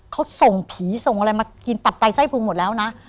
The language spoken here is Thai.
เขาส่งผีส่งอะไรมากินตับไตไส้พุงหมดแล้วนะ